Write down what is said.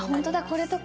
これとか。